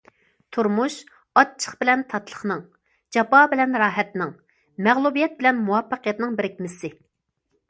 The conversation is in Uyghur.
تۇرمۇش ئاچچىق بىلەن تاتلىقنىڭ، جاپا بىلەن راھەتنىڭ، مەغلۇبىيەت بىلەن مۇۋەپپەقىيەتنىڭ بىرىكمىسى.